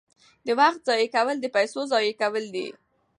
د وخت ضایع کول د پیسو ضایع کول دي.